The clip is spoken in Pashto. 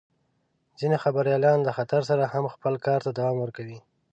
ځینې خبریالان د خطر سره هم خپل کار ته دوام ورکوي.